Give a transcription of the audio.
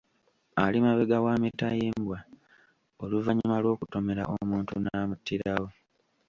Ali mabega wa mitayimbwa oluvannyuma lw’okutomera omuntu n’amuttirawo.